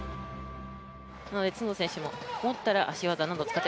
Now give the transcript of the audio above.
角田選手も持ったら足技などを使って。